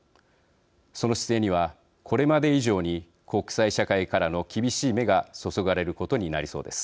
その姿勢には、これまで以上に国際社会からの厳しい目が注がれることになりそうです。